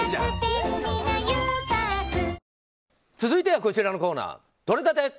続いてはこちらのコーナーとれたて！